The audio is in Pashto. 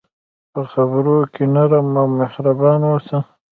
په خبرو کې نرم او مهربان اوسه.